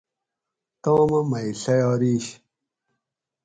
تامہ مئ ڷیارِیش